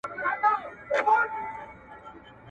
موږ یې په لمبه کي د زړه زور وینو.